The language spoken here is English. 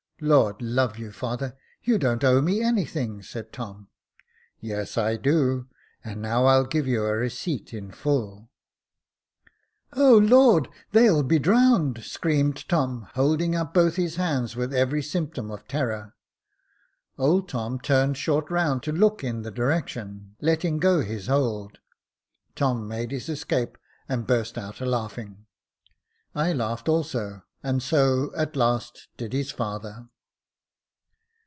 " Lord love you, father, you don't owe me any thing," said Tom. " Yes, I do J and now I'll give you a receipt in full." 96 Jacob Faithful '* O Lord ! they'll be drowned," screamed Tom, holding up both his hands with every symptom of terror. Old Tom turned short round to look in the direction, letting go his hold. Tom made his escape, and burst out a laughing. I laughed also, and so at last did his father.